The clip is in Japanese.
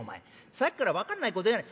さっきから分かんないこと言わない。